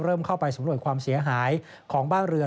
เริ่มเข้าไปสมรวจความเสียหายของบ้านเรือน